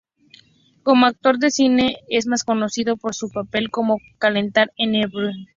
Como actor de cine es más conocido por su papel como Calendar en "Mr.